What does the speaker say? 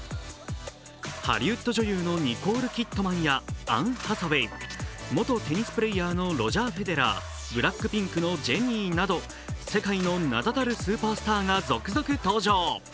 ハリウッド女優のニコール・キッドマンやアン・ハサウェイ、元テニスプレーヤーのロジャー・フェデラー、ＢＬＡＣＫＰＩＮＫのジェニーなど世界の名だたるスーパースターが続々登場。